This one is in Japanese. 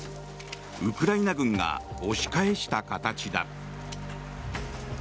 ウクライナ軍が押し返した形だ。